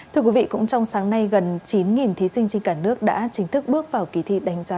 thưa quý vị cũng trong sáng nay gần chín thí sinh trên cả nước đã chính thức bước vào kỳ thi đánh giá